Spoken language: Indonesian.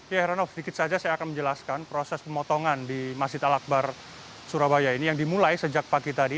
ya heranov sedikit saja saya akan menjelaskan proses pemotongan di masjid al akbar surabaya ini yang dimulai sejak pagi tadi